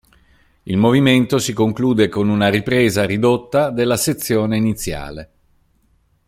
Il movimento si conclude con una ripresa ridotta della sezione iniziale.